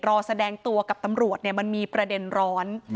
แสดงตัวกับตำรวจมันมีประเด็นร้อน